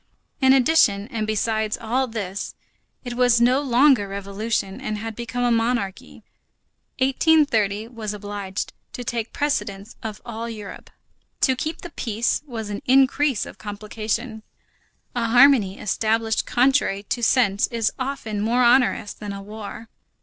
In addition, and beside all this, as it was no longer revolution and had become a monarchy, 1830 was obliged to take precedence of all Europe. To keep the peace, was an increase of complication. A harmony established contrary to sense is often more onerous than a war.